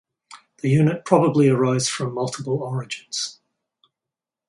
The unit probably arose from multiple origins.